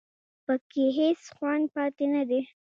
په کې هېڅ خوند پاتې نه دی